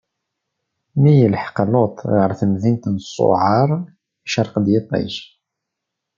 Mi yelḥeq Luṭ ɣer temdint n Ṣuɛar, icṛeq-d yiṭij.